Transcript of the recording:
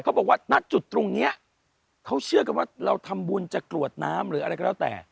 ณจุดตรงนี้เขาเชื่อกันว่าเราทำบุญจะกรวดน้ำหรืออะไรก็แล้วแต่